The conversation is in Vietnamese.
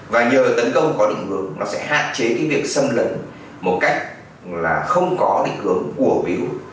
và nhờ tấn công có định hướng nó sẽ hạn chế việc xâm lẫn một cách không có định hướng của víu